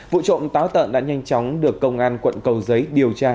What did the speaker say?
vụ trộm táo tận đã nhanh chóng được công an quận cầu giấy điều tra